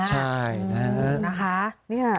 ใช่นะคะ